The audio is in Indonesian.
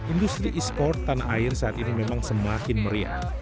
industri esport tanah air saat ini memang semakin meriah